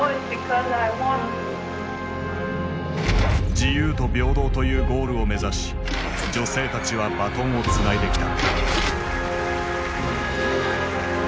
自由と平等というゴールを目指し女性たちはバトンをつないできた。